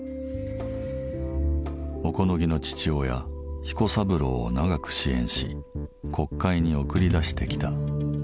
小此木の父親彦三郎を長く支援し国会に送り出してきた。